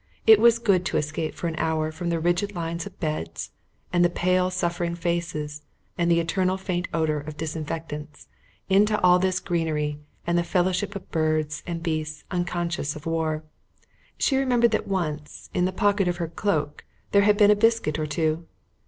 It was good to escape for an hour from the rigid lines of beds and the pale suffering faces and the eternal faint odour of disinfectants, into all this greenery and the fellowship of birds and beasts unconscious of war. She remembered that once, in the pocket of her cloak, there had been a biscuit or two.